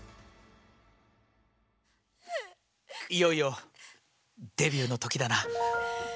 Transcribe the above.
いよいよデビューの時だな。